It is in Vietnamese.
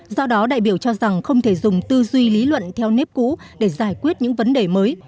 do đó đại biểu cho rằng không thể dùng tư duy lý luận theo nếp cũ để giải quyết những vấn đề mới